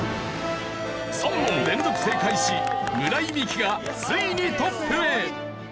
３問連続正解し村井美樹がついにトップへ！